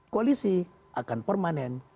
koalisi akan permanen